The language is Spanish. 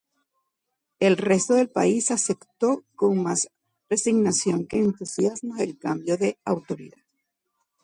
El resto del país aceptó con más resignación que entusiasmo el cambio de autoridad.